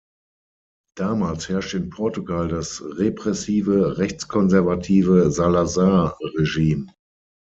Damals herrschte in Portugal das repressive rechtskonservative Salazar-Regime.